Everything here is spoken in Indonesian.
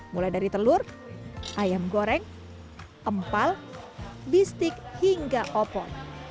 mulai dari telur ayam goreng empal bistik hingga opon